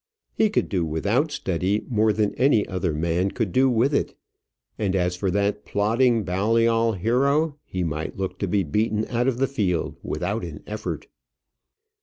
He could do without study more than any other man could do with it; and as for that plodding Balliol hero, he might look to be beaten out of the field without an effort.